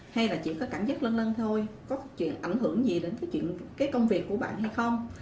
hay chỉ có cảm giác lân lân thôi có ảnh hưởng gì đến công việc của bạn hay không